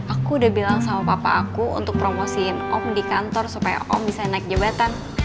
aku udah bilang sama papa aku untuk promosiin om di kantor supaya om bisa naik jabatan